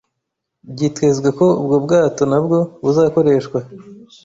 Byitezwe ko ubwo bwato nabwo buzakoreshwa